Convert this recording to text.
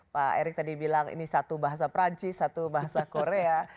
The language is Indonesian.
pak erick tadi bilang ini satu bahasa perancis satu bahasa korea